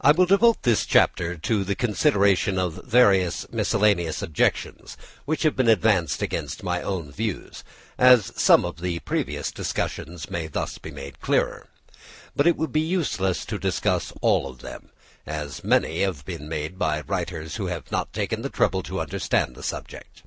I will devote this chapter to the consideration of various miscellaneous objections which have been advanced against my views, as some of the previous discussions may thus be made clearer; but it would be useless to discuss all of them, as many have been made by writers who have not taken the trouble to understand the subject.